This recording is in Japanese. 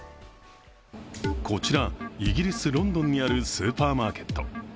こちら、イギリス・ロンドンにあるスーパーマーケット。